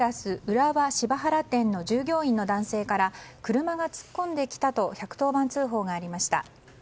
浦和芝原店の従業員の男性から車が突っ込んできたと１１０番通報がありました。